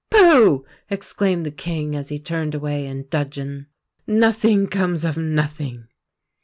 "Pooh!" exclaimed the King, as he turned away in dudgeon, "nothing comes of nothing."